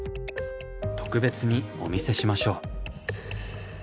特別にお見せしましょう。